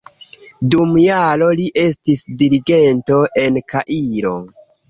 Dum jaro li estis dirigento en Kairo.